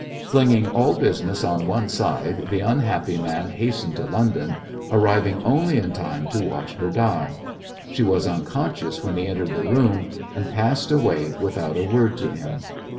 Flinging all business on one side the unhappy man hastened to London, arriving only in time to watch her die. She was unconscious when he entered the room, and passed away without a word to him.